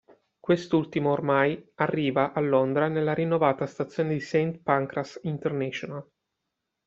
Quest'ultimo ormai arriva a Londra nella rinnovata stazione di St. Pancras International.